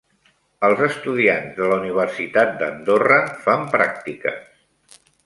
Els estudiants de la Universitat d'Andorra fan pràctiques